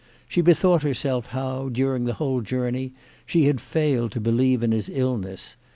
She bethought herself how, during the whole journey, she had failed to believe in his illness.